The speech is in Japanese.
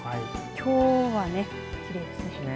きょうは、きれいですね。